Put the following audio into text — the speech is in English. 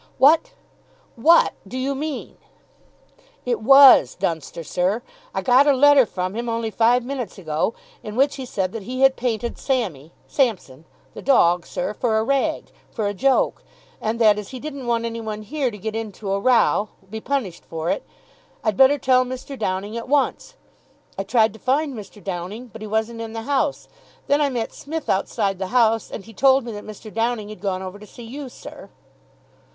"What what do you mean?" "It was Dunster, sir. I got a letter from him only five minutes ago, in which he said that he had painted Sammy Sampson, the dog, sir, for a rag for a joke, and that, as he didn't want any one here to get into a row be punished for it, I'd better tell Mr. Downing at once. I tried to find Mr. Downing, but he wasn't in the house. Then I met Smith outside the house, and he told me that Mr. Downing had gone over to see you, sir."